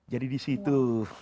jadi di situ